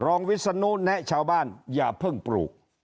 วิศนุแนะชาวบ้านอย่าเพิ่งปลูก